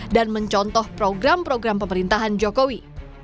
dan mencontoh program program pemerintahan jokowi